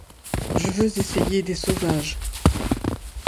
Je veux essayer des sauvages.